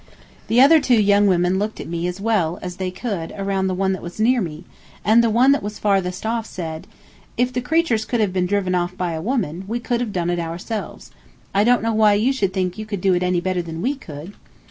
The other two young women looked at me as well as they could around the one that was near me, and the one that was farthest off said: "If the creatures could have been driven off by a woman, we could have done it ourselves. I don't know why you should think you could do it any better than we could."